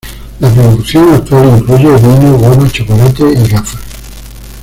La producción actual incluye vino, goma, chocolate y gafas.